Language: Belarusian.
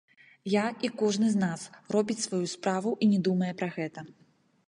Я, і кожны з нас, робіць сваю справу і не думае пра гэта.